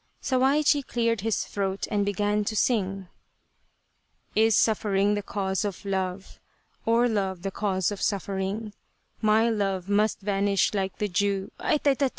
Sawaichi cleared his throat and began to sing : Is suffering the cause of love ? Or love the cause of suffering ? My love must vanish like the dew ... Aita ... ta .